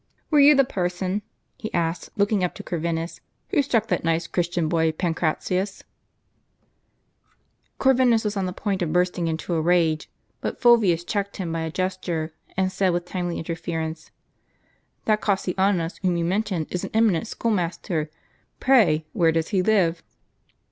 Were you the person," he asked, look ing up to Corvinus, "who struck that nice Cliristian boy Pancratius ?" Corvinus was on the point of bursting into a rage ; but Fulvius checked him by a gesture, and said, with timely interference : "That Cassianus whom you mentioned is an eminent school master; pray, where does he live?"